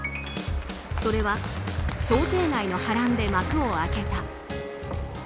それは、想定外の波乱で幕を開けた。